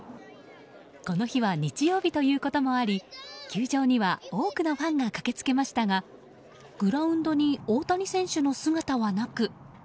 この日は日曜日ということもあり球場には多くのファンが駆けつけましたがグラウンドに大谷選手の姿はなく。